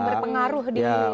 orang berpengaruh di masyarakat